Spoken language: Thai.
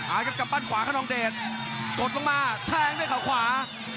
อ้าวก็กำปั้นขวาคนนองเดชกดลงมาแทงด้วยข่าวขวา